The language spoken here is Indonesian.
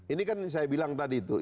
ini kan saya bilang tadi tuh